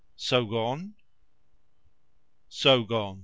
"So gone?" "So gone.